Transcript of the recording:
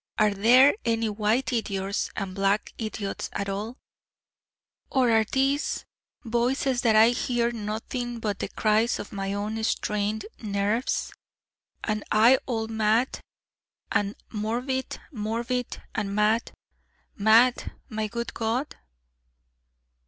Are there any White Idiots and Black Idiots at all? Or are these Voices that I hear nothing but the cries of my own strained nerves, and I all mad and morbid, morbid and mad, mad, my good God?